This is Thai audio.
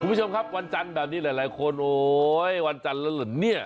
คุณผู้ชมครับวันจันทร์แบบนี้หลายคนโอ๊ยวันจันทร์แล้วเหรอเนี่ย